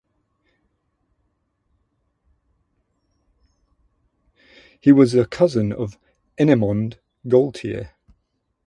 He was a cousin of Ennemond Gaultier.